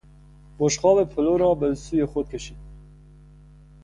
بشقاب پلو را به سوی خودش کشید.